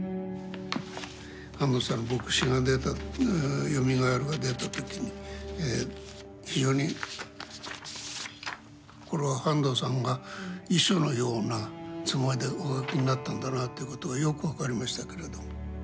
半藤さんの「墨子」が出た「よみがえる」が出た時に非常にこれは半藤さんが遺書のようなつもりでお書きになったんだなということがよく分かりましたけれど。